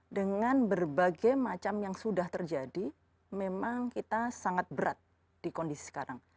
dengan berbagai macam yang sudah terjadi memang kita sangat berat di kondisi sekarang